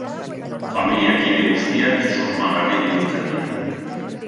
Familia-kide guztiak susmagarri bihurtzen dira.